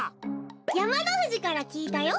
やまのふじからきいたよ。